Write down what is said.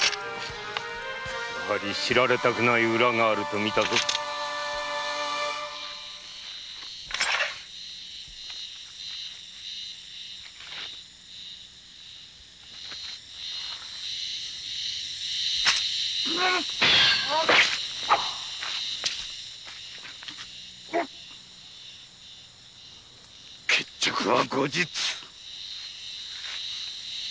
やはり知られたくないウラがあると見たぞ決着は後日。